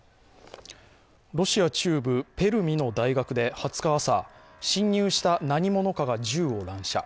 ロシア中部ペルミの大学で２０日朝、侵入した何者かが銃を乱射。